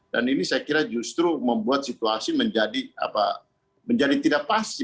dan ini saya kira justru membuat situasi menjadi tidak pasti